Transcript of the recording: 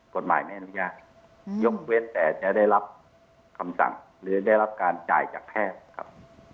กฎหมายไม่อนุญาตยกเว้นแต่จะได้รับคำสั่งหรือได้รับการจ่ายจากแพทย์ครับ